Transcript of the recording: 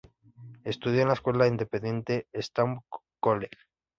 Estudió en la escuela independiente Eastbourne College.